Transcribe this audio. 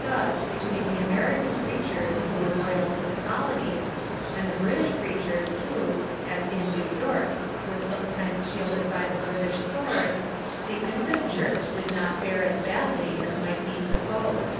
Thus, between the American preachers Avho were loyal to the colonies, and the British preachers who, as in New York, were sometimes shielded by the English sword, the infant Church did not fare as badly as might be supposed.